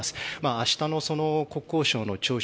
明日の国交省の聴取